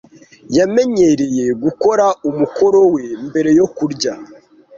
Yamenyereye gukora umukoro we mbere yo kurya.